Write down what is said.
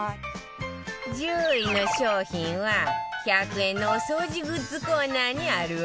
１０位の商品は１００円のお掃除グッズコーナーにあるわよ